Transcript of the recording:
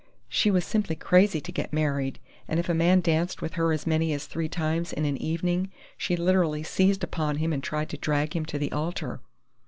She was simply crazy to get married, and if a man danced with her as many as three times in an evening she literally seized upon him and tried to drag him to the altar....